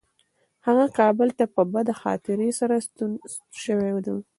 هغه کابل ته په بده خاطرې سره ستون شوی و.